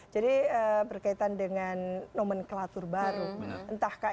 jadi berkaitan dengan nomenklatur baru